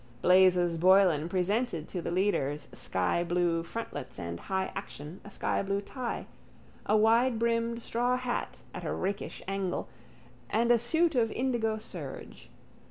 _ Blazes Boylan presented to the leaders' skyblue frontlets and high action a skyblue tie, a widebrimmed straw hat at a rakish angle and a suit of indigo serge.